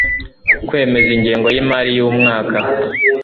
kwemeza ingengo y imari y umwaka